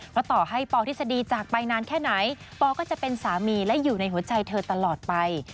เพราะต่อให้ปทฤษฎีจากไปนานแค่ไหนปอก็จะเป็นสามีและอยู่ในหัวใจเธอตลอดไป